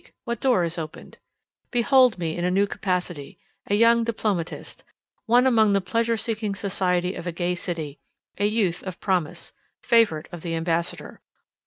—What door is opened? Behold me in a new capacity. A diplomatist: one among the pleasure seeking society of a gay city; a youth of promise; favourite of the Ambassador.